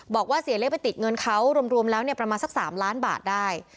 บอกว่าเสียเล็กไปติดเงินเขารวมแล้วประมาณสัก๓ล้านบาทได้